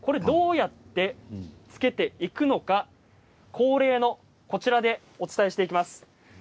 どうやってつけていくのか恒例のこちらでお伝えしていきます。